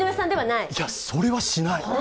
いや、それはしない。